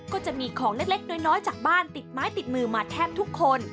ก็จะมีของเล็กน้อยจากบ้านติดไม้ติดมือมาแทบทุกคน